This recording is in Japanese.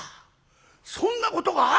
そんなことがあるの！